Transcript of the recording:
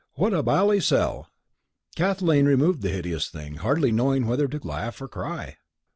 What a bally sell!" Kathleen removed the hideous thing, hardly knowing whether to laugh or cry.